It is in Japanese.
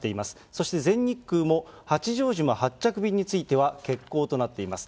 そして全日空も八丈島発着便については、欠航となっています。